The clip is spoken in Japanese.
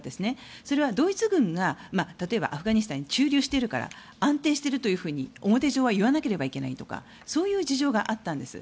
それはドイツ軍が例えばアフガニスタンに駐留しているから安定していると、表上は言わなければいけないとかそういう事情があったんです。